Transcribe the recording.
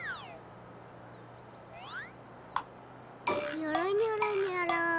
にょろにょろにょろ。